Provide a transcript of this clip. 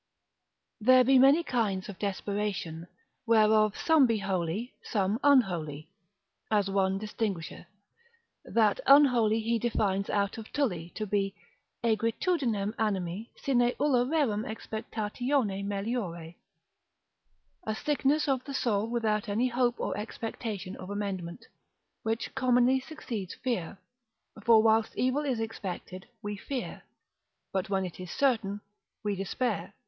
There be many kinds of desperation, whereof some be holy, some unholy, as one distinguisheth; that unholy he defines out of Tully to be Aegritudinem animi sine ulla rerum expectatione meliore, a sickness of the soul without any hope or expectation of amendment; which commonly succeeds fear; for whilst evil is expected, we fear: but when it is certain, we despair.